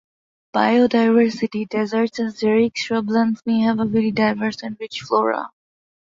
"Biodiversity": Deserts and xeric shrublands may have a very diverse and rich flora.